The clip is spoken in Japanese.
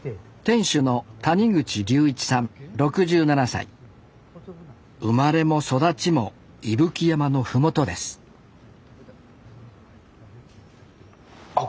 店主の生まれも育ちも伊吹山の麓ですあっ